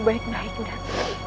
baik naik dan